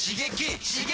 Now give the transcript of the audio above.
刺激！